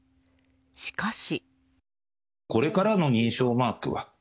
しかし。